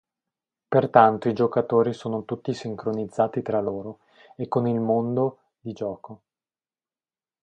Pertanto i giocatori sono tutti sincronizzati tra loro e con il mondo di gioco.